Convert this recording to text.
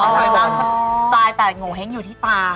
อ๋อสวยตามสไตล์แต่โงแฮงอยู่ที่ตา